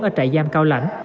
ở trại giam cao lãnh